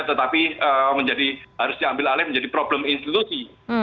tetapi harus diambil alih menjadi problem institusi